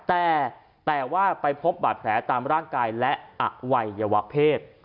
แต่ว่าไปพบบาดแผลตามร่างกายและอวัยวะเพศ